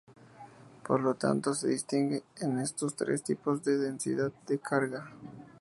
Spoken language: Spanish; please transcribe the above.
Por lo tanto se distingue en estos tres tipos de densidad de carga.